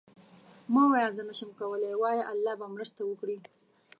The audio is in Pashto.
مه وایه زه نشم کولی، وایه الله به مرسته وکړي.